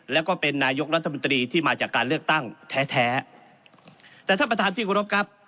แล้วก็เป็นนายกรัฐมนตรีที่มาจากการเลือกตั้งแท้แท้แต่ท่านประธานที่กรบครับ